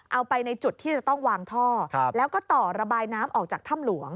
เอาไปในจุดที่จะต้องวางท่อแล้วก็ต่อระบายน้ำออกจากถ้ำหลวง